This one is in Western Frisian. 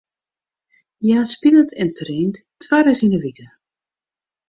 Hja spilet en traint twaris yn de wike.